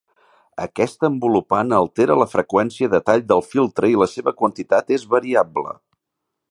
Aquesta envolupant altera la freqüència de tall del filtre i la seva quantitat és variable.